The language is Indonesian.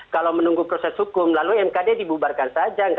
kalau menunggu proses hukum lalu mkd dibubarkan saja